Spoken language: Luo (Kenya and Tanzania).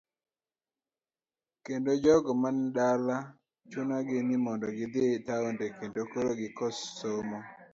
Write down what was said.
Kendo jogo man dala chuno gi ni mondo gidhi taonde kendo koro gikoso somo.